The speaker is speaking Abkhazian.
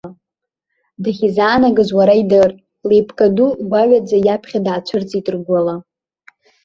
Дахьизаанагаз уара идыр, леиԥка ду гәаҩаӡа иаԥхьа даацәырҵит ргәыла.